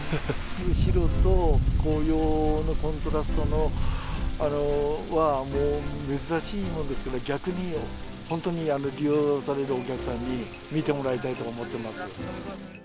白と紅葉のコントラストは、珍しいもんですから、逆に本当に利用されるお客さんに見てもらいたいと思ってます。